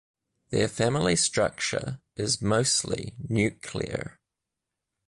Their family structure is mostly nuclear.